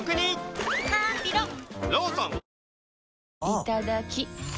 いただきっ！